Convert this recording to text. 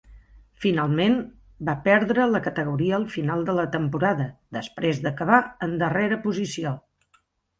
Finalment va perdre la categoria al final de la temporada, després d'acabar en darrera posició.